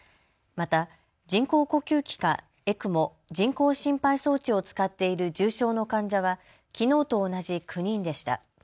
また人工呼吸器かＥＣＭＯ・人工心肺装置を使っている重症の患者はきのうと同じ９人でした。